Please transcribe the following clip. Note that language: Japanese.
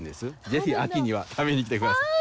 ぜひ秋には食べに来てください。